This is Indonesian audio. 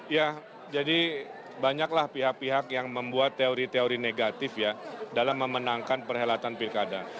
ya jadi banyaklah pihak pihak yang membuat teori teori negatif ya dalam memenangkan perhelatan pilkada